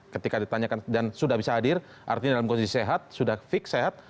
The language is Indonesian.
ketika ditanyakan dan sudah bisa hadir artinya dalam kondisi sehat sudah fix sehat